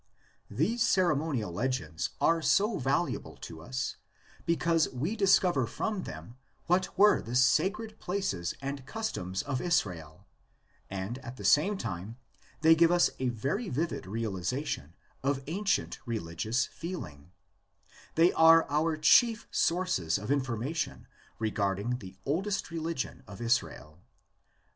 These ceremonial legends are so valuable to us because we discover from them what were the sacred places and customs of Israel and at the same time they give us a very vivid realisation of ancient religious feeling: they are our chief sources of information regarding the oldest religion of Israel.